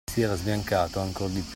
Si era sbiancato ancor di più.